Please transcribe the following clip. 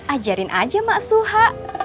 ajarin aja mak suha